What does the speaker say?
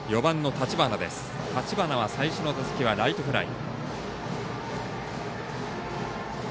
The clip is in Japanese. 立花は最初の打席はライトフライ。